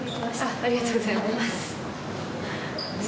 ありがとうございます。